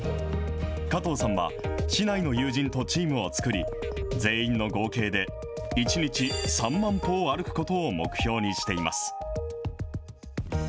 加藤さんは、市内の友人とチームを作り、全員の合計で１日３万歩を歩くことを目標にしています。